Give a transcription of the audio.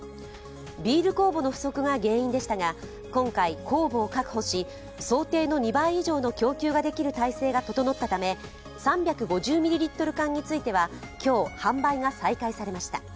ビール酵母の不足が原因でしたが今回、酵母を確保し、想定の２倍以上の供給ができる体制が整ったため３５０ミリリットル缶については今日、販売が再開されました。